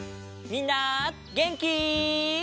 みんなげんき？